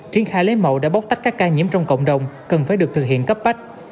triển khai lấy mẫu đã bóc tách các ca nhiễm trong cộng đồng cần phải được thực hiện cấp bách